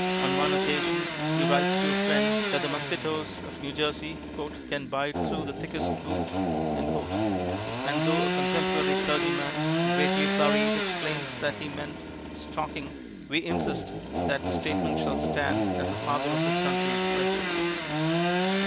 On one occasion he writes to a friend that the mosquitoes of New Jersey "can bite through the thickest boot," and though a contemporary clergyman, greatly flurried, explains that he meant "stocking," we insist that the statement shall stand as the Father of his Country expressed it.